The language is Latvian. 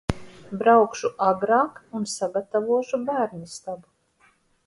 Braukšu agrāk un sagatavošu bērnistabu.